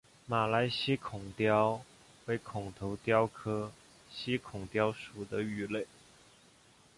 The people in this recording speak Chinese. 马来犀孔鲷为孔头鲷科犀孔鲷属的鱼类。